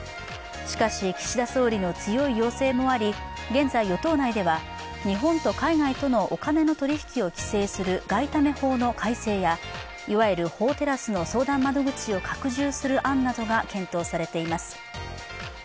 しかし、岸田総理の強い要請もあり、現在、与党内では日本と海外とのお金の取り引きを規制する外為法の改正や、いわゆる法テラスの相談窓口を拡充する案などが検討されています。